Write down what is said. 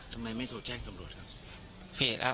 ทำไมไม่โทรแจ้งตำรวจครับ